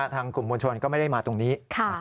ทางกลุ่มมวลชนก็ไม่ได้มาตรงนี้